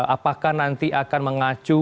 apakah nanti akan mengacu